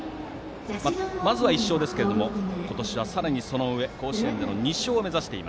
まずは１勝ですけども今年はさらに、その上甲子園での２勝を目指す